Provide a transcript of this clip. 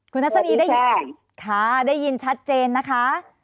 คุณทัศนีได้ยินชัดเจนนะคะ